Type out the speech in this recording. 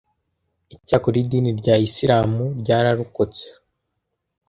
Icyakora idini rya Isilamu ryararokotse